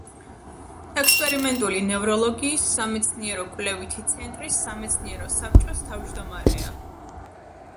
ექსპერიმენტული ნევროლოგიის სამეცნიერო–კვლევითი ცენტრის სამეცნიერო საბჭოს თავმჯდომარეა.